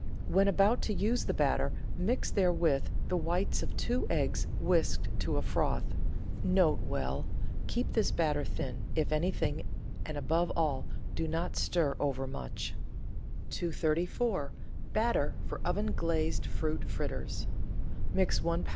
When about to use the batter mix therewith the whites of two eggs whisked to a froth. N.B. — Keep this batter thin, if anything, and above all do not stir overmuch. 234— BATTER FOR OVEN GLAZED FRUIT FRITTERS Mix one lb.